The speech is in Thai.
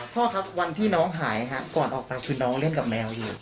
พ่อครับวันที่น้องหายครับก่อนออกไปคือน้องเล่นกับแมวอยู่